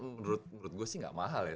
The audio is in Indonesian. menurut gue sih gak mahal ya